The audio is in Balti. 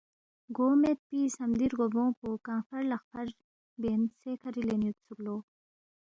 گو مید پی صمدی رگوبونگ پو کنگ فر لق فر بین سیکہ ریلین یود سوک لو۔